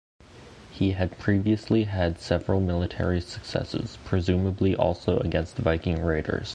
He had previously had several military successes, presumably also against Viking raiders.